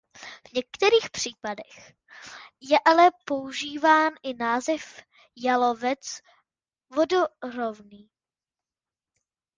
V některých případech je ale používán i název jalovec vodorovný.